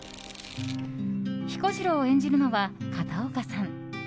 彦次郎を演じるのは片岡さん。